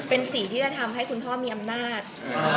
เป็นสีที่จะทำให้คุณพ่อมีอำนาจ